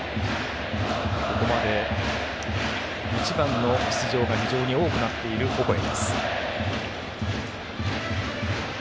ここまで、１番の出場が非常に多くなっているオコエ。